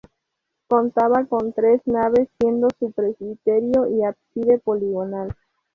Contaba con tres naves, siendo su presbiterio y ábside poligonal.